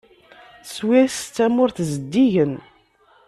Swiss d tamurt zeddigen.